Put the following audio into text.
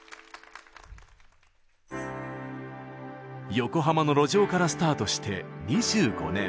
横浜の路上からスタートして２５年。